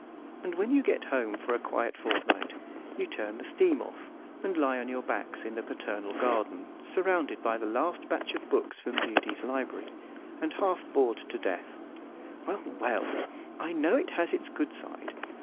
And when you get home for a quiet fortnight, you turn the steam off, and lie on your backs in the paternal garden, surrounded by the last batch of books from Mudie's library, and half bored to death. Well, well! I know it has its good side.